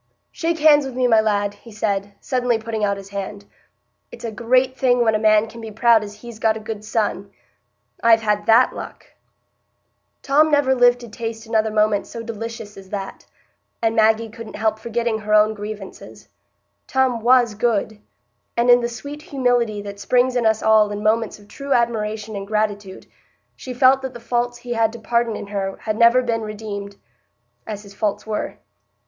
"Shake hands wi' me, my lad," he said, suddenly putting out his hand. "It's a great thing when a man can be proud as he's got a good son. I've had that luck." Tom never lived to taste another moment so delicious as that; and Maggie couldn't help forgetting her own grievances. Tom was good; and in the sweet humility that springs in us all in moments of true admiration and gratitude, she felt that the faults he had to pardon in her had never been redeemed, as his faults were.